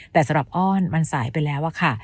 แต่สำหรับอ้อนมันสายไปแล้วอะค่ะ